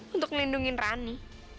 untuk melindungi rani